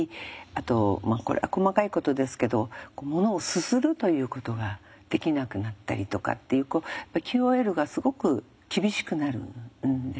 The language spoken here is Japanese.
あとこれは細かいことですけどものをすするということができなくなったりとかっていうＱＯＬがすごく厳しくなるんですね。